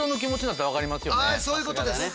あっそういうことです。